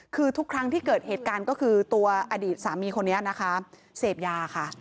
คือทุกครั้งที่เกิดเหตุการณ์ก็คือตัวอดีตสามีคนนี้นะคะเสพยาค่ะ